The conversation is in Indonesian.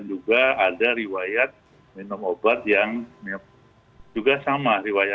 dan juga ada riwayat minum obat yang juga sama